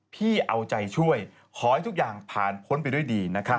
พี่เอาใจช่วยขอให้ทุกอย่างผ่านพ้นไปด้วยดีนะครับ